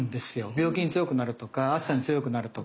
病気に強くなるとか暑さに強くなるとか。